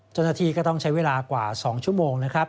เจ้าหน้าที่ก็ต้องใช้เวลากว่า๒ชั่วโมงนะครับ